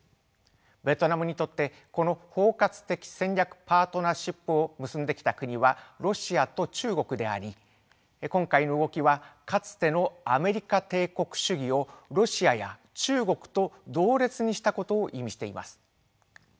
ベトナムにとってこの包括的戦略パートナーシップを結んできた国はロシアと中国であり今回の動きはかつてのアメリカ帝国主義をロシアや中国と同列にしたことを意味しています。